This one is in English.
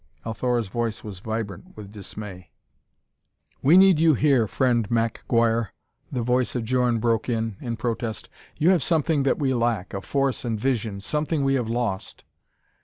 Althora's voice was vibrant with dismay. "We need you here, friend Mack Guire," the voice of Djorn broke in, in protest. "You have something that we lack a force and vision something we have lost."